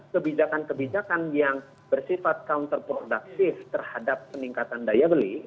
kebijakan kebijakan yang bersifat counterproductive terhadap peningkatan daya beli